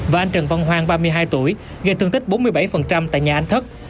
và anh trần văn hoàng ba mươi hai tuổi gây thương tích bốn mươi bảy tại nhà anh thất